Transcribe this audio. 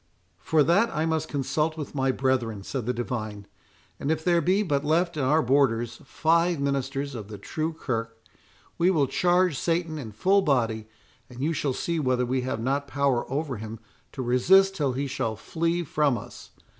"For that I must consult with my brethren," said the divine; "and if there be but left in our borders five ministers of the true kirk, we will charge Satan in full body, and you shall see whether we have not power over him to resist till he shall flee from us.